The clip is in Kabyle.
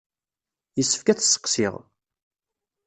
Yessefk ad t-sseqsiɣ.